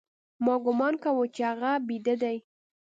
ما گومان کاوه چې هغه بيده دى.